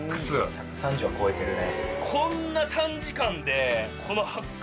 １３０は超えてるね。